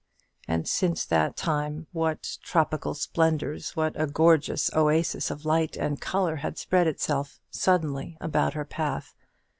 And since that time what tropical splendors, what a gorgeous oasis of light and colour had spread itself suddenly about her path!